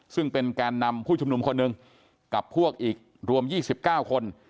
ซึ่งเป็นแกนนำผู้ชุมนุมคนหนึ่งกับพวกอีกรวม๒๙คน